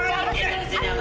kamu mencintai sita